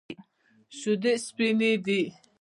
شیدې سپینې دي.